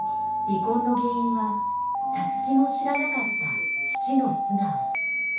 離婚の原因は皐月も知らなかった父の素顔。